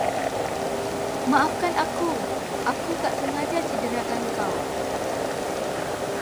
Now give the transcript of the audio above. Maafkan aku, aku tak sengaja cederakan kau.